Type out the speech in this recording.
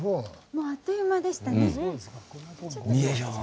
もうあっという間でしたね。